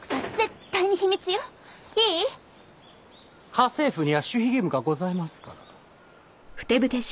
家政婦には守秘義務がございますから。